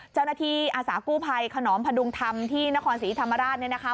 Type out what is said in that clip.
อาสากู้ภัยขนอมพดุงธรรมที่นครศรีธรรมราชเนี่ยนะคะ